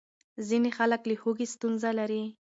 ځینې خلک له هوږې ستونزه لري.